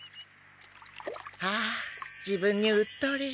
ああ自分にうっとり。